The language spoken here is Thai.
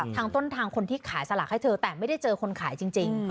ทางต้นทางคนที่ขายสลากให้เธอแต่ไม่ได้เจอคนขายจริง